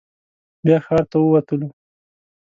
بیا ښار ته ووتلو.